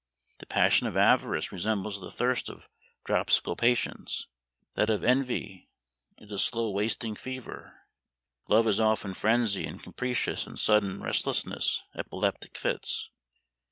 The passion of avarice resembles the thirst of dropsical patients; that of envy is a slow wasting fever; love is often frenzy, and capricious and sudden restlessness, epileptic fits.